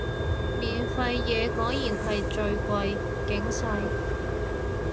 免費嘢果然係最貴，警世